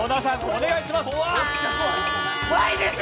お願いします。